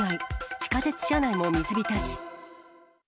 地下鉄車内も水浸し。